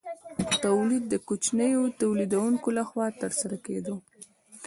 تولید د کوچنیو تولیدونکو لخوا ترسره کیده.